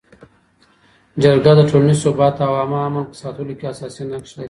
جرګه د ټولنیز ثبات او عامه امن په ساتلو کي اساسي نقش لري.